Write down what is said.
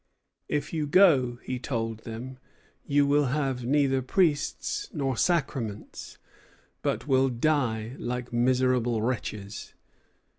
"If you go," he told them, "you will have neither priests nor sacraments, but will die like miserable wretches."